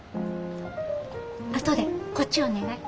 後でこっちお願い。